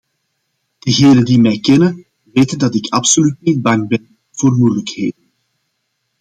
Degenen die mij kennen weten dat ik absoluut niet bang ben voor moeilijkheden.